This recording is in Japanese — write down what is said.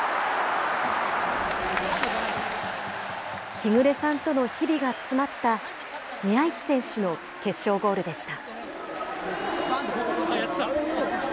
日暮さんとの日々がつまった、宮市選手の決勝ゴールでした。